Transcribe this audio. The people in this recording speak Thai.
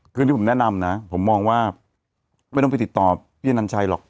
คือที่ผมแนะนำนะผมมองว่าไม่ต้องไปติดต่อพี่อนัญชัยหรอก